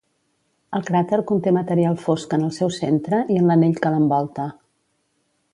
El cràter conté material fosc en el seu centre i en l'anell que l'envolta.